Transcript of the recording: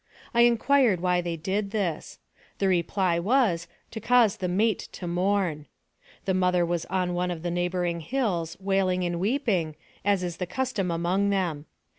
I inquired why they did this. The reply was, to cause the mate to mourn. The mother was on one of the neighboring hills, wailing and weeping, as is the cus tom among them.